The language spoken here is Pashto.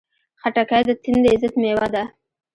خټکی د تندې ضد مېوه ده.